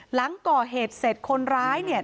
หลังก่อเหตุเสร็จคนร้ายเนี่ย